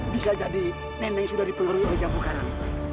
bisa jadi nenek sudah dipengaruhi oleh jambu karam